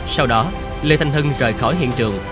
sau đó lê thanh hưng rời khỏi hiện trường